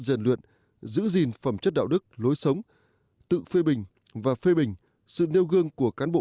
rèn luyện giữ gìn phẩm chất đạo đức lối sống tự phê bình và phê bình sự nêu gương của cán bộ